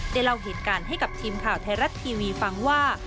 เล่าเหตุการณ์ให้กับทีมข่าวไทยรัฐทีวีฟังว่า